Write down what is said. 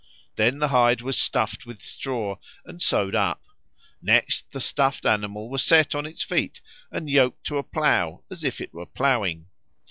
Then the hide was stuffed with straw and sewed up; next the stuffed animal was set on its feet and yoked to a plough as if it were ploughing.